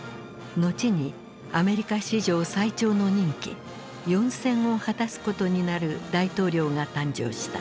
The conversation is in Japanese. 後にアメリカ史上最長の任期４選を果たすことになる大統領が誕生した。